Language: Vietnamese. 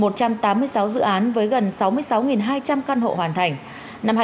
một trăm tám mươi sáu dự án với gần sáu mươi sáu hai trăm linh căn hộ hoàn thành